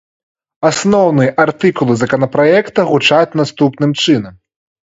Асноўныя артыкулы законапраекта гучаць наступным чынам.